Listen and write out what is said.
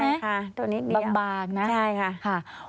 ใช่ค่ะตัวนิดเดียวบางนะใช่ค่ะ